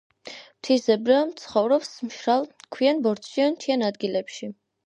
მთის ზებრა ცხოვრობს მშრალ, ქვიან, ბორცვიან, მთიან ადგილებში.